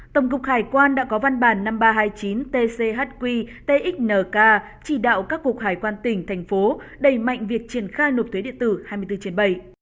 tổng cục hải quan đã có văn bản năm nghìn ba trăm hai mươi chín tchq txnh chỉ đạo các cục hải quan tỉnh thành phố đẩy mạnh việc triển khai nộp thuế điện tử hai mươi bốn trên bảy